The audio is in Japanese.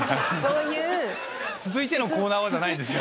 「続いてのコーナーは」じゃないんですよ。